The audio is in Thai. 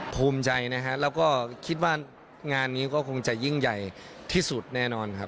ภูมิใจนะคะคิดว่างานนี้ก็คงจะยิ่งใหญ่ที่สุดแน่นอน